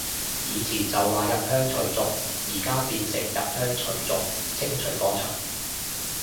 以前就話入鄉隨俗，而家變成入鄉除族，清除個除